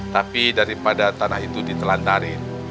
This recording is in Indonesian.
tapi daripada tanah itu ditelantarin